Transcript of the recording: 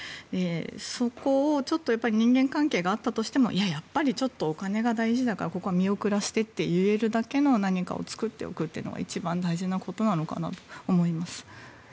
そこを人間関係があったとしてもいや、やっぱりちょっとお金が大事だからここは見送らせてと言えるだけの何かを作っておくのが一番大事なことなのかなと思います。